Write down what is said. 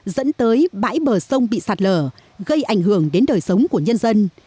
dẫn tới bãi bờ sông bị sạt lở gây ảnh hưởng đến đời sống của nhân dân